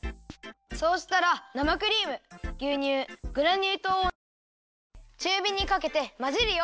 そうしたら生クリームぎゅうにゅうグラニューとうをおなべにいれてちゅうびにかけてまぜるよ。